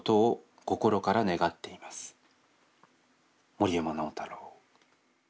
「森山直太朗」。